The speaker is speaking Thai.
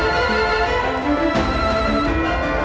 สวัสดีครับสวัสดีครับ